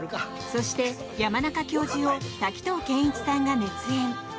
そして、山中教授を滝藤賢一さんが熱演！